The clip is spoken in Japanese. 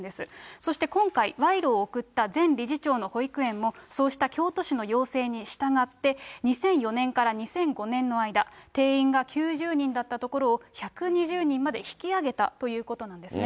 そして今回、賄賂を贈った前理事長の保育園もそうした京都市の要請に従って、２００４年から２００５年の間、定員が９０人だったところを１２０人まで引き上げたということなんですね。